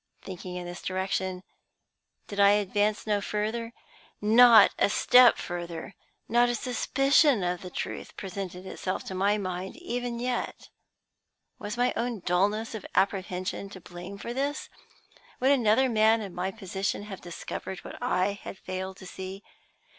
Thinking in this direction, did I advance no further? Not a step further! Not a suspicion of the truth presented itself to my mind even yet. Was my own dullness of apprehension to blame for this? Would another man in my position have discovered what I had failed to see?